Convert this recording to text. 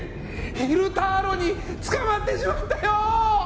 ヒルターロにつかまってしまったよ！